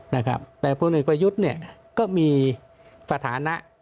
นะครับแต่พลเอกประยุทธ์เนี่ยก็มีสถานะ